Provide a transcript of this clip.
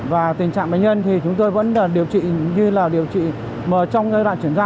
và tình trạng bệnh nhân thì chúng tôi vẫn điều trị như là điều trị mà trong giai đoạn chuyển ra